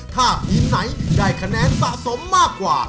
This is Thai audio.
ถ้าทีมไหนได้คะแนนสะสมมากกว่า